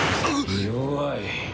弱い。